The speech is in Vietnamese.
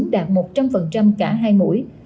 đạt một trăm linh cả hai mũi